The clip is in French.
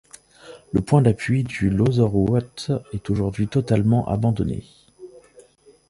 Le point d'appui du Lauzarouotte est aujourd'hui totalement abandonné.